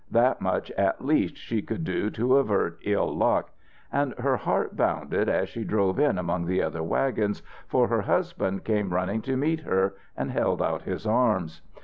That much, at least, she could do to avert ill luck. And her heart bounded as she drove in among the other wagons, for her husband came running to meet her and held out his arms.